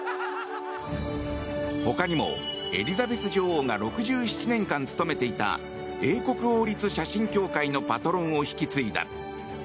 他にも、エリザベス女王が６７年間務めていた英国王立写真協会のパトロンを引き継いだ。